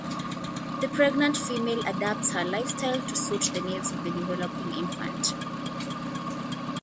The pregnant female adapts her lifestyle to suit the needs of the developing infant.